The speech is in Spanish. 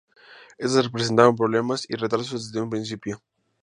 Éstas presentaron problemas y retrasos desde un principio.